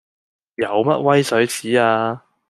有乜威水史啊